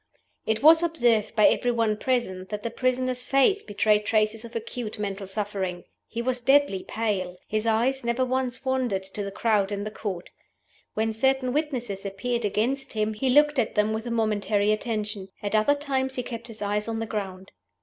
It was observed by every one present that the prisoner's face betrayed traces of acute mental suffering. He was deadly pale. His eyes never once wandered to the crowd in the Court. When certain witnesses appeared against him, he looked at them with a momentary attention. At other times he kept his eyes on the ground.